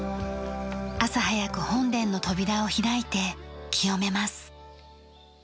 朝早く本殿の扉を開いて清めます。